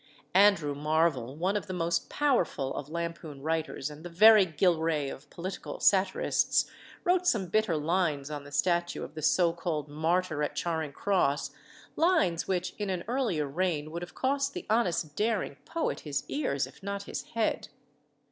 Andrew Marvell, one of the most powerful of lampoon writers, and the very Gillray of political satirists, wrote some bitter lines on the statue of the so called Martyr at Charing Cross, lines which in an earlier reign would have cost the honest daring poet his ears, if not his head.